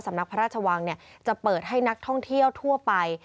นักพระราชวังจะเปิดให้นักท่องเที่ยวทั่วไป